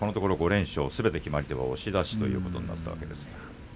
すべて決まり手は押し出しということになったわけです。